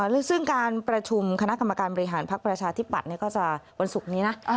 ซึ่งการประชุมคณะกรรมการบริหารพักประชาธิปัตย์ก็จะวันศุกร์นี้นะ